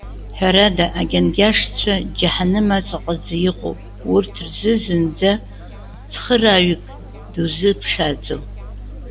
Ҳәарада, агьангьашцәа џьаҳаным аҵаҟаӡа иҟоуп; урҭ рзы зынӡа цхырааҩык дузыԥшааӡом.